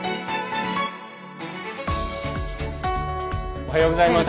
おはようございます。